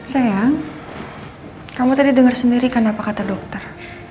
sayang kamu tadi dengar sendiri kan apa kata dokter